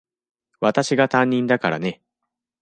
私が担任だからね。